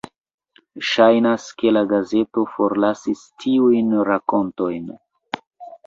Ŝajnas ke la gazeto forlasis tiujn rakontojn.